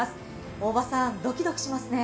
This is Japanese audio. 大庭さんドキドキしますね。